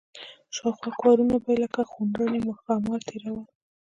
شاوخوا کورونه به یې لکه خونړي ښامار تېرول.